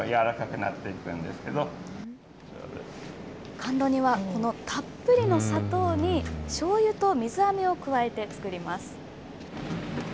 甘露煮は、このたっぷりの砂糖にしょうゆと水あめを加えて、作ります。